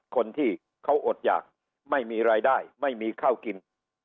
คนที่เขาอดหยากไม่มีรายได้ไม่มีข้าวกิน